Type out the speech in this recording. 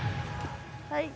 はい。